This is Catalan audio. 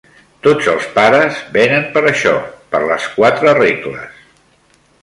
Tots els pares venen per això: per les quatre regles.